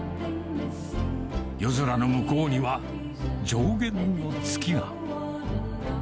夜空の向こうには、上弦の月が。